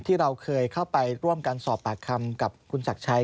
ที่เราเคยเข้าไปร่วมกันสอบปากคำกับคุณศักดิ์ชัย